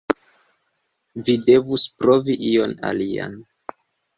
Vi devus provi ion alian.